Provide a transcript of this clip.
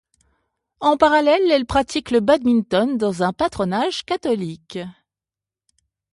En parallèle, elle pratique le badminton dans un patronage catholique.